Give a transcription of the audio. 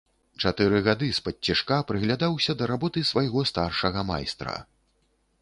Чатыры гады спадцішка прыглядаўся да работы свайго старшага майстра.